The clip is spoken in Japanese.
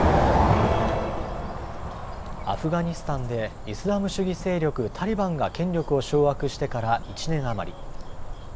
アフガニスタンでイスラム主義勢力タリバンが権力を掌握してから１年余り。